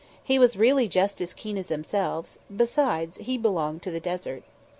He was really just as keen as themselves besides, He belonged to the desert.